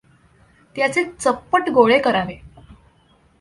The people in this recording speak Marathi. त्याचे चप्पट गोळे करावे.